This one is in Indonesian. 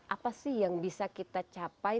apa sih yang bisa kita capai